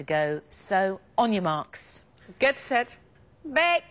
ベイク！